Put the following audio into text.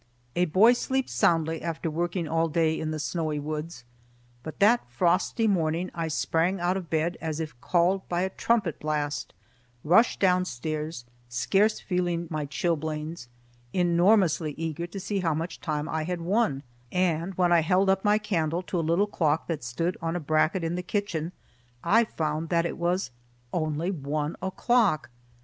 A boy sleeps soundly after working all day in the snowy woods, but that frosty morning I sprang out of bed as if called by a trumpet blast, rushed downstairs, scarce feeling my chilblains, enormously eager to see how much time I had won; and when I held up my candle to a little clock that stood on a bracket in the kitchen I found that it was only one o'clock.